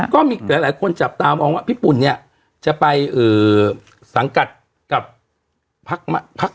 ก็มีหลายคนจับตามองว่าพี่ปุ่นเนี่ยจะไปสังกัดกับพัก